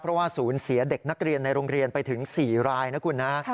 เพราะว่าศูนย์เสียเด็กนักเรียนในโรงเรียนไปถึง๔รายนะคุณนะ